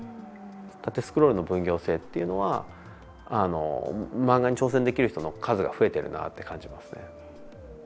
縦スクロールの分業制っていうのは漫画に挑戦できる人の数が増えてるなって感じますね。